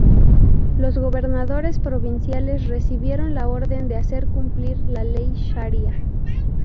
Los gobernadores provinciales recibieron la orden de hacer cumplir la ley sharia.